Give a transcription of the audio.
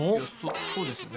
そそうですね。